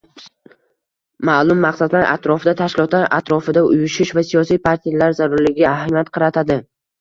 ma`lum maqsadlar atrofida tashkilotlar atrofida uyushish va siyosiy partiyalar zarurligiga ahamiyat qaratadi.